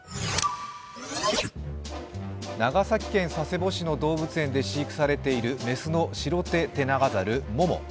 長崎県佐世保市の動物園で飼育されている雌のシロテテナガザル・モモ。